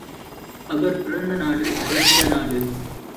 அவர் பிறந்த நாடு அரேபியா நாடு.